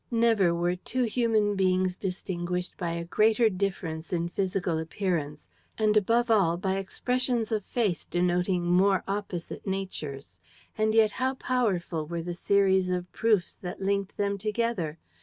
Never were two human beings distinguished by a greater difference in physical appearance and above all by expressions of face denoting more opposite natures. And yet how powerful was the series of proofs that linked them together!